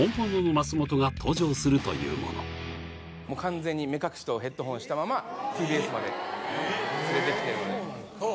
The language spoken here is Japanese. もう完全に目隠しとヘッドホンしたままＴＢＳまで連れてきてるのであっ